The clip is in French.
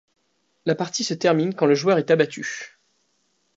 La partie se termine quand le joueur est abattu.